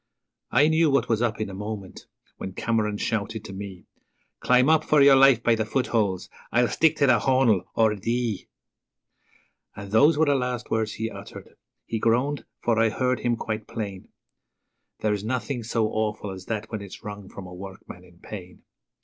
I knew what was up in a moment when Cameron shouted to me: 'Climb up for your life by the footholes. I'LL STICK TAE TH' HAUN'LE OR DEE!' And those were the last words he uttered. He groaned, for I heard him quite plain There's nothing so awful as that when it's wrung from a workman in pain.